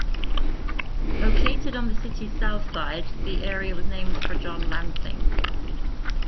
Located on the city's south side, the area was named for John Lansing.